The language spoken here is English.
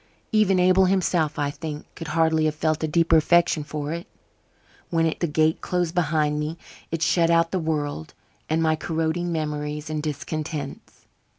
Even Abel himself, I think, could hardly have felt a deeper affection for it. When its gate closed behind me it shut out the world and my corroding memories and discontents.